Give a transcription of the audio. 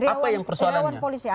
apa yang persoalannya